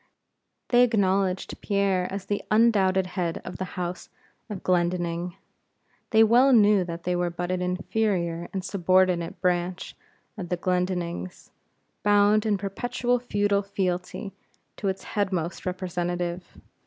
They acknowledged Pierre as the undoubted head of the house of Glendinning. They well knew that they were but an inferior and subordinate branch of the Glendinnings, bound in perpetual feudal fealty to its headmost representative.